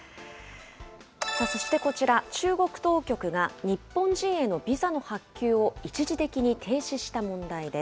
そしてこちら、中国当局が日本人へのビザの発給を一時的に停止した問題です。